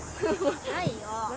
ないよ。